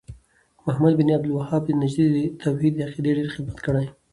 محمد بن عبد الوهاب نجدي د توحيد د عقيدې ډير خدمت کړی